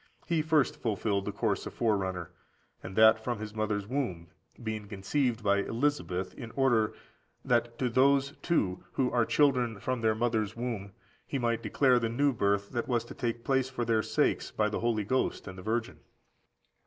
He first fulfilled the course of forerunner, and that from his mother's womb, being conceived by Elisabeth, in order that to those, too, who are children from their mother's womb he might declare the new birth that was to take place for their sakes by the Holy Ghost and the Virgin.